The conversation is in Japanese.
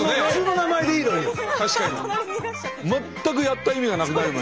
全くやった意味がなくなりました。